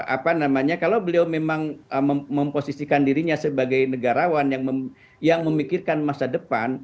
apa namanya kalau beliau memang memposisikan dirinya sebagai negarawan yang memikirkan masa depan